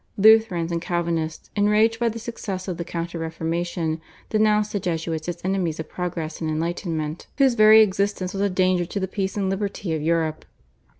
Lutherans and Calvinists, enraged by the success of the Counter Reformation, denounced the Jesuits as enemies of progress and enlightenment, whose very existence was a danger to the peace and the liberty of Europe.